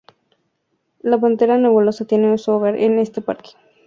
La pantera nebulosa tiene su hogar en este parque.